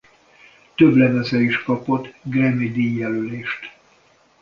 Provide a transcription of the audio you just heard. Több lemeze is kapott Grammy-díj jelölést.